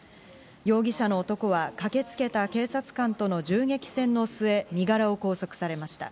容疑者の男は駆けつけた警察官との銃撃戦の末、身柄を拘束されました。